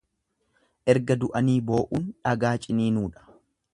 Erga du'anii boo'uun dhagaa ciniinuudha.